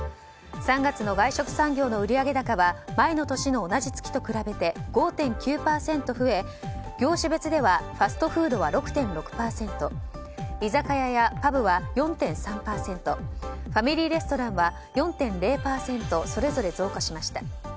３月の外食産業の売上高は前の年の同じ月と比べ５．９％増え、業種別ではファストフードは６．６％居酒屋やパブは４．３％ファミリーレストランは０．４％それぞれ増加しました。